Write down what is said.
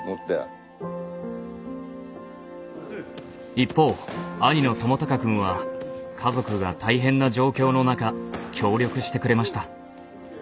一方兄の智隆くんは家族が大変な状況の中協力してくれました。